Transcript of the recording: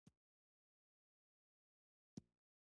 کوهن د ادبي تیورۍ تشه ډکه کړه.